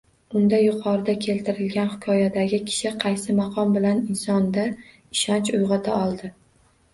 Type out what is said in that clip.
Unda, yuqorida keltirilgan hikoyadagi kishi qaysi maqom bilan insonda ishonch uyg`ota oldi